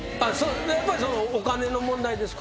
やっぱりお金の問題ですか？